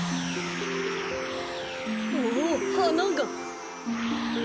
おはなが。